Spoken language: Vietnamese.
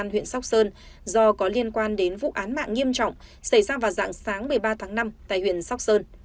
công an huyện sóc sơn do có liên quan đến vụ án mạng nghiêm trọng xảy ra vào dạng sáng một mươi ba tháng năm tại huyện sóc sơn